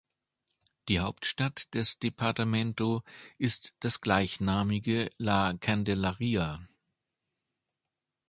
Die Hauptstadt des Departamento ist das gleichnamige La Candelaria.